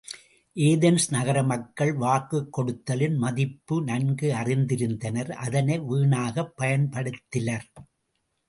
Athens நகர மக்கள் வாக்குக் கொடுத்தலின் மதிப்பை நன்கு அறிந்திருந்தனர் அதனை வீணாகப் பயன்படுத்திலர்.